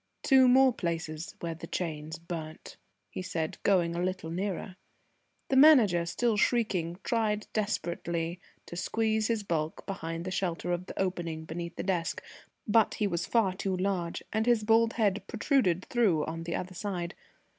"Two more places where the chains burnt," he said, going a little nearer. The Manager, still shrieking, tried desperately to squeeze his bulk behind the shelter of the opening beneath the desk, but he was far too large, and his bald head protruded through on the other side.